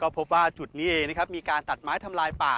พบว่าจุดนี้มีการตัดไม้ทำลายป่า